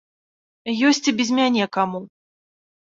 Ёсць і без мяне каму.